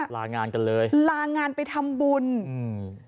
ลางานกันเลยลางานไปทำบุญอืม